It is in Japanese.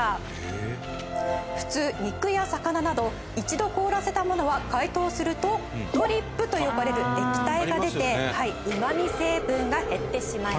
普通肉や魚など一度凍らせたものは解凍するとドリップと呼ばれる液体が出てうまみ成分が減ってしまいます。